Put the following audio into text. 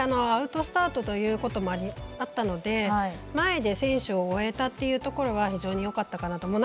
アウトスタートということもあったので前で選手を追えたところは非常によかったかなと。